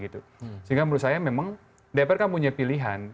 sehingga menurut saya memang dpr kan punya pilihan